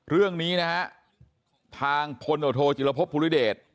เรื่องนี้นะครับทางคนโดยโทษจิฬพบภูริเดช